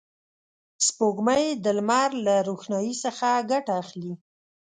سپوږمۍ د لمر له روښنایي څخه ګټه اخلي